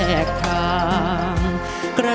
จะใช้หรือไม่ใช้ครับ